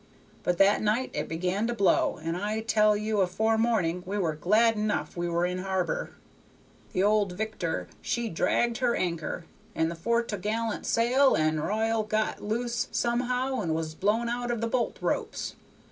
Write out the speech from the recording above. But that night it began to blow, and I tell you afore morning we were glad enough we were in harbor. The old Victor she dragged her anchor, and the fore to'gallant sail and r'yal got loose somehow and was blown out of the bolt ropes.